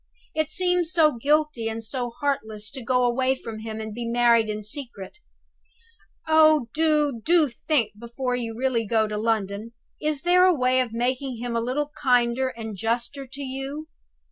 "It seems so guilty and so heartless to go away from him and be married in secret. Oh, do, do think before you really go to London; is there no way of making him a little kinder and juster to you?"